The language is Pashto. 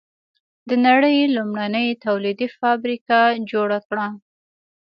د نړۍ لومړنۍ تولیدي فابریکه جوړه کړه.